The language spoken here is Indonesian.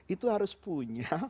itu harus punya